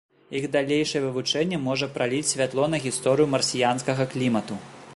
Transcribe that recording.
Іх далейшае вывучэнне можа праліць святло на гісторыю марсіянскага клімату.